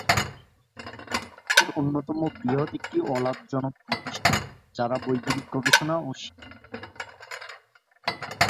এটি বিশ্বের অন্যতম বৃহৎ একটি অলাভজনক প্রতিষ্ঠান, যাঁর বৈজ্ঞানিক গবেষণা ও শিক্ষামূলক বিষয়ে কাজ করে।